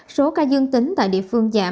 số ca dương tính tại địa phương giảm